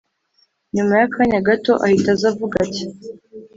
nyuma y’akanyagato ahita aza avuga ati: